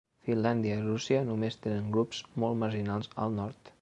Finlàndia i Rússia només tenen grups molt marginals al nord.